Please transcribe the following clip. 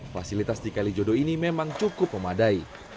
fasilitas di kalijodo ini memang cukup memadai